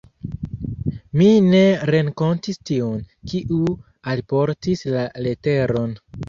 Mi ne renkontis tiun, kiu alportis la leteron.